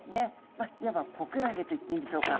まあいわば子クラゲといっていいんでしょうか。